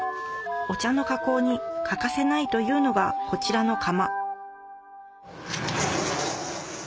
お茶の加工に欠かせないというのがこちらの釜